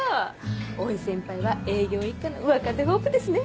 大井先輩は営業一課の若手ホープですね。